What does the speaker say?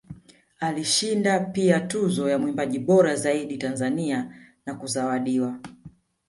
Alishinda pia Tuzo ya Mwimbaji bora zaidi Tanzania na kuzawadiwa